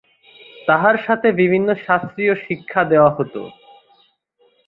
তাহার সাথে বিভিন্ন শাস্ত্রীয় শিক্ষা দেওয়া হত।